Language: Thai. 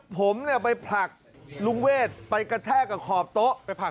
ผมไปผลักลูกเวชไปกระแทกกับขอบโต๊ะ